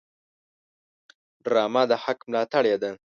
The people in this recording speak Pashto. ډرامه د حق ملاتړې ده